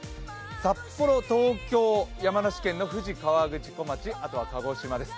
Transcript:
札幌、東京、山梨県の富士河口湖町、あとは鹿児島です。